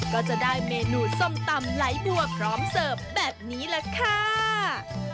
ก็จะได้เมนูส้มตำไหลบัวพร้อมเสิร์ฟแบบนี้แหละค่ะ